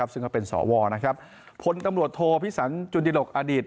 ซึ่งก็เป็นสวพลตำรวจโทพิสันจุนดิหลกอดีต